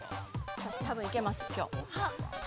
◆私、多分いけます。